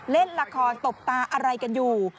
เล่นละครตบตาอะไรกันอยู่